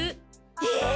えっ！